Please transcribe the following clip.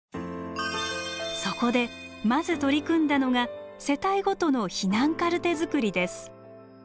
そこでまず取り組んだのが「世帯ごとの避難カルテ作り」です。